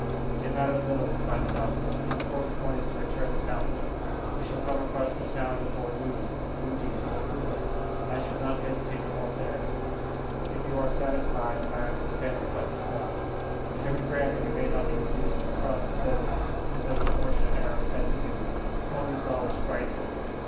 "It matters little," replied the doctor, "the important point is to return southward; we shall come across the towns of Bornou, Wouddie, or Kouka, and I should not hesitate to halt there." "If you are satisfied, I am content," replied the Scot, "but Heaven grant that we may not be reduced to cross the desert, as those unfortunate Arabs had to do! What we saw was frightful!"